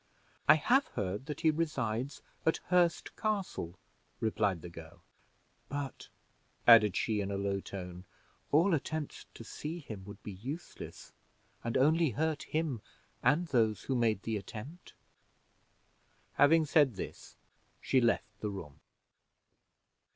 "I have heard that he resides at Hurst Castle," replied the girl; "but," added she in a low tone, "all attempts to see him would be useless and only hurt him and those who made the attempt." Having said this, she left the room.